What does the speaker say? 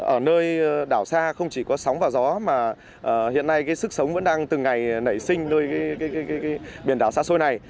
ở nơi đảo xa không chỉ có sóng và gió mà hiện nay cái sức sống vẫn đang từng ngày nảy sinh nơi biển đảo xa xôi này